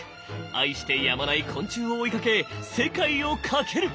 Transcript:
愛してやまない昆虫を追いかけ世界を駆ける！